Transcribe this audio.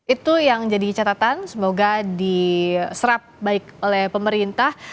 itu yang jadi catatan semoga diserap baik oleh pemerintah